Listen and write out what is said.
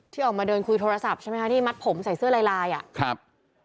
ที่ออกมาเดินคุยโทรศัพท์ใช่ไหมคะที่มัดผมใส่เสื้อลายลายอ่ะครับ